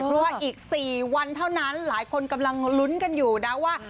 เพราะว่าอีก๔วันเท่านั้นหลายคนกำลังลุ้นกันอยู่นะว่า